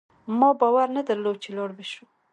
ما باور نه درلود چي لاړ به شو